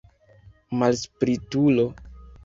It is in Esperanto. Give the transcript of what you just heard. Malspritulo!